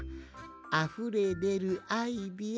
あふれでるアイデア